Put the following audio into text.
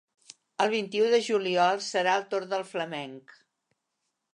El vint-i-u de juliol serà el torn del flamenc.